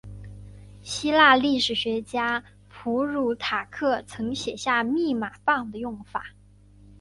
希腊历史学家普鲁塔克曾写下密码棒的用法。